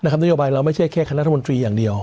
นะครับนโยบายเราไม่ใช่แค่คณะธรรมดรีอย่างเดียว